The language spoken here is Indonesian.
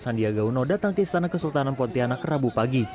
sandiaga uno datang ke istana kesultanan pontianak rabu pagi